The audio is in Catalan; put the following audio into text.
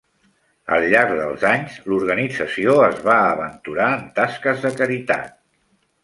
Al llarg dels anys, l'organització es va aventurar en tasques de caritat.